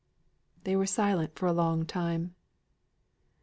They were silent for a long time.